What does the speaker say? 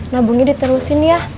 labungnya diterusin ya